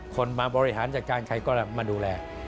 คนมาบริหารจากการไข้กรรมมาดูแล